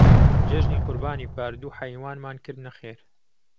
جێژنی قوربانی پار دوو حەیوانمان کردنە خێر.